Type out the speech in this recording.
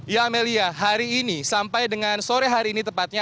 ya amelia hari ini sampai dengan sore hari ini tepatnya